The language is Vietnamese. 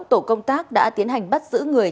tổ công tác đã tiến hành bắt giữ người